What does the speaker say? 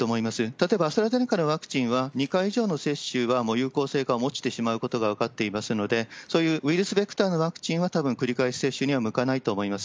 例えばアストラゼネカのワクチンは、２回以上の接種は有効性が落ちてしまうことが分かっていますので、そういうウイルスベクターのワクチンは、たぶん繰り返し接種には向かないと思います。